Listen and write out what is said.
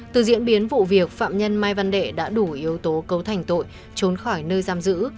từ diễn biến vụ việc phạm nhân mai văn đệ đã đủ yếu tố cấu thành tội trốn khỏi nơi giam giữ